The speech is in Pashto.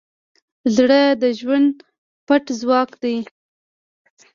زړه د ژوند پټ ځواک دی.